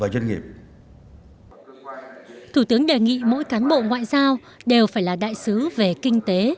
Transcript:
thủ tướng đề nghị mỗi cán bộ ngoại giao đều phải là đại sứ về kinh tế